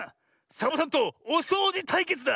サボさんとおそうじたいけつだ！